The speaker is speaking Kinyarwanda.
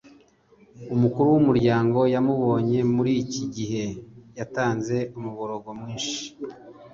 umukuru wumuryango yamubonye muriki gihe. yatanze umuborogo mwinshi